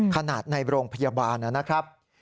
ในโรงพยาบาลนะครับ